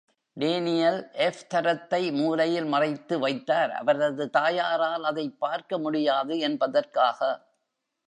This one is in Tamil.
டேனியல் எஃப் தரத்தை மூலையில் மறைத்து வைத்தார், அவரது தாயாரால் அதைப் பார்க்க முடியாது என்பதற்காக.